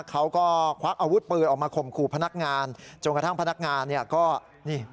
เขาก็ควักอาวุธปืนออกมาข่มขู่พนักงานจนกระทั่งพนักงานเนี่ยก็นี่